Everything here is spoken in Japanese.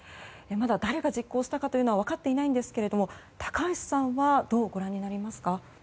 まだ誰が実行したかは分かっていませんが高橋さんはどうご覧になりますか？